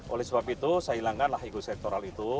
oleh sebab itu saya hilangkanlah ekosektoral itu